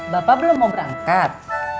bapak belum mau berangkat